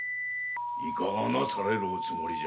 いかがなされるおつもりじゃ。